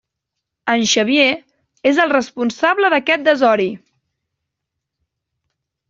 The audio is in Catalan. En Xavier és el responsable d'aquest desori!